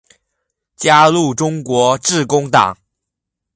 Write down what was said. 加入中国致公党。